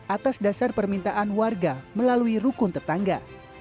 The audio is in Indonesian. atas dasar permintaan warga melalui rukun tetangga